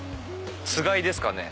つがいですかね。